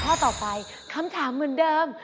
ข้อต่อไปคำถามเหมือนเดิม